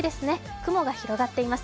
雲が広がっています。